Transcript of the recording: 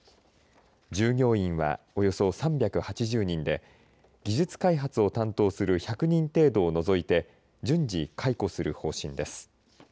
従業員は、およそ３８０人で技術開発を担当する１００人程度を除いて順次解雇する方針です。